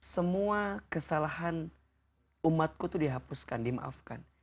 semua kesalahan umatku itu dihapuskan dimaafkan